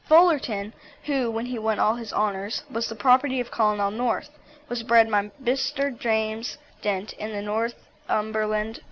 Fullerton, who, when he won all his honours, was the property of Colonel North, was bred by Mr. James Dent in Northumberland.